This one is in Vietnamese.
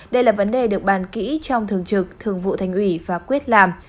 đây là vấn đề được bàn kỹ trong thường trực thường vụ thành ủy và quyết làm